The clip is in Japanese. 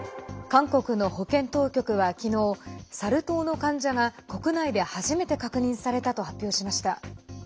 韓国の保健当局は、きのうサル痘の患者が国内で初めて確認されたと発表しました。